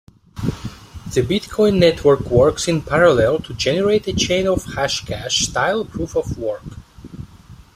The bitcoin network works in parallel to generate a chain of Hashcash style proof-of-work.